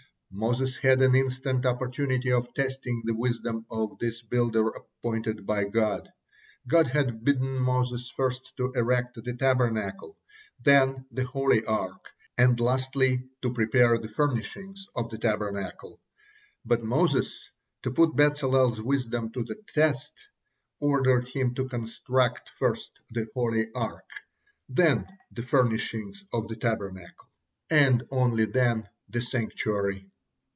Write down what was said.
Moses had an instant opportunity of testing the wisdom of this builder appointed by God. God had bidden Moses first to erect the Tabernacle, then the Holy Ark, and lastly to prepare the furnishings of the Tabernacle; but Moses, to put Bezalel's wisdom to the test, ordered him to construct first the Holy Ark, then the furnishings of the Tabernacle, and only then the sanctuary.